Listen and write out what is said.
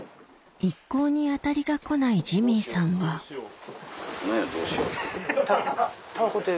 一向に当たりが来ないジミーさんは何や「どうしよう」って。